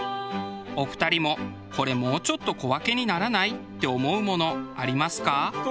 お二人も「これもうちょっと小分けにならない？」って思うものありますか？